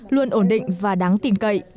luôn ổn định và đáng tin cậy